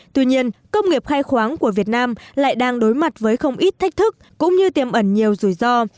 tuy nhiên công nghiệp khai khoáng của việt nam lại đang đối mặt với không ít thách thức cũng như tiềm ẩn nhiều rủi ro